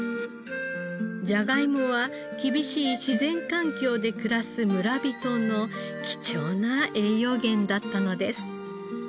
じゃがいもは厳しい自然環境で暮らす村人の貴重な栄養源だったのです。